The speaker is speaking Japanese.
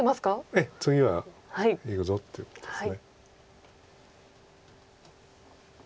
ええ次はいくぞっていうことです。